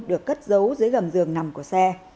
được cất giấu dưới gầm giường nằm của xe